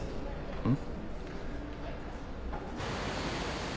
うん。